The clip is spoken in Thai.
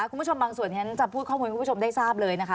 คุณผู้ชมบางส่วนที่ฉันจะพูดข้อมูลให้คุณผู้ชมได้ทราบเลยนะคะ